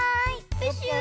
プシュー！